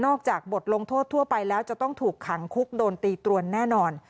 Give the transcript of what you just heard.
จากบทลงโทษทั่วไปแล้วจะต้องถูกขังคุกโดนตีตรวนแน่นอน